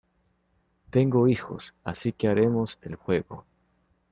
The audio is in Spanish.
Tengo hijos, así que haremos el juego.